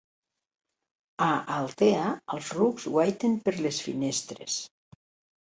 A Altea els rucs guaiten per les finestres.